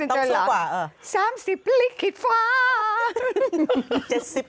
๓๐กดลิคริฟต์